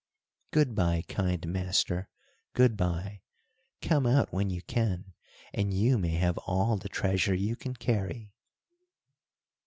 "Good by, kind master, good by! Come out when you can, and you may have all the treasure you can carry."